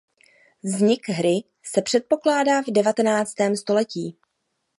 Vznik hry se předpokládá v devatenáctém století.